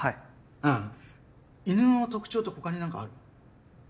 うん犬の特徴って他に何かある？